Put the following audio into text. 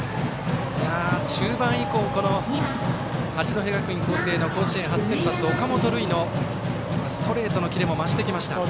中盤以降、八戸学院光星の甲子園初先発、岡本琉奨のストレートのキレも増してきました。